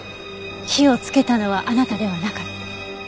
火をつけたのはあなたではなかった？